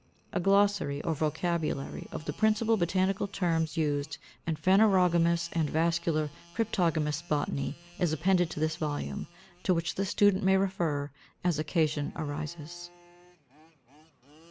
546. A glossary or vocabulary of the principal botanical terms used in phanerogamous and vascular cryptogamous botany is appended to this volume, to which the student may refer, as occasion arises.